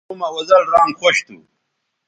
مے زوڑوں مہ اوزل رانگ خوش تھو